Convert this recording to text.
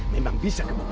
memang bisa kebun rumah